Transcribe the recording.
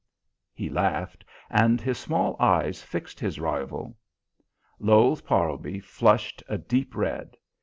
He laughed, and his small eyes fixed his rival. Lowes Parlby flushed a deep red.